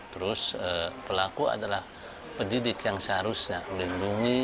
terus pelaku adalah pendidik yang seharusnya melindungi